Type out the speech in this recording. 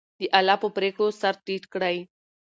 د الله په پرېکړو سر ټیټ کړئ.